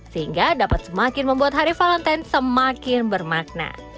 sehingga dapat semakin membuat hari valentine semakin bermakna